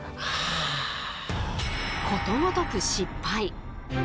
ことごとく失敗。